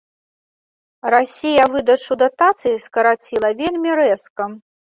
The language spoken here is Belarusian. Расія выдачу датацый скараціла вельмі рэзка.